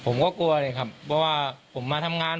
ผมก็กลัวเลยครับเพราะว่าผมมาทำงาน